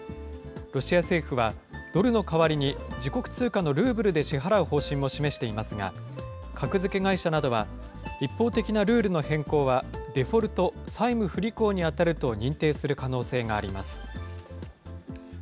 ロシア政府は、ドルの代わりに自国通貨のルーブルで支払う方針も示していますが、格付け会社などは、一方的なルールの変更はデフォルト・債務不履行に当たると認定する可能性があります。